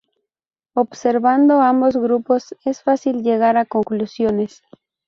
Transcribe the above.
Observando ambos grupos es fácil llegar a conclusiones